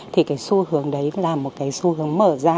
thì cái xu hướng đấy là một cái xu hướng mở ra